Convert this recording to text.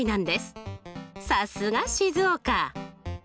さすが静岡！